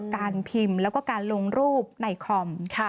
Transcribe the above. การพิมพ์แล้วก็การลงรูปในคอม